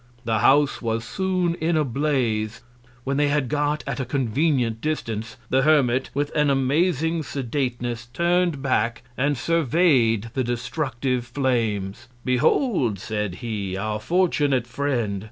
The House was soon in a Blaze: When they had got at a convenient Distance, the Hermit, with an amazing Sedateness, turn'd back and survey'd the destructive Flames. Behold, said he, our fortunate Friend!